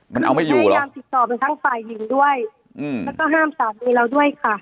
เค้ายายามติดต่อเป็นทั้งฝ่ายหญิงด้วย